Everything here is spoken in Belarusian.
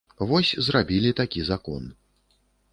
Вось зрабілі такі закон.